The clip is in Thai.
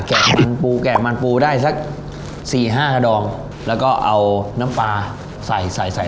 มันปูแกะมันปูได้สักสี่ห้ากระดองแล้วก็เอาน้ำปลาใส่ใส่ใส่ใส่